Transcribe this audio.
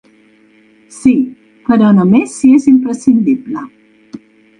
Sí, però només si és imprescindible.